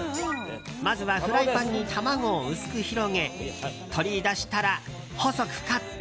まずはフライパンに卵を薄く広げ取り出したら、細くカット。